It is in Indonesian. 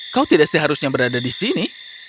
kau tidak seharusnya berada di sini